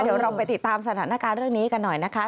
เดี๋ยวเราไปติดตามสถานการณ์เรื่องนี้กันหน่อยนะคะ